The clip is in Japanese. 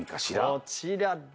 こちらです。